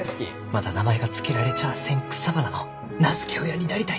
まだ名前が付けられちゃあせん草花の名付け親になりたい。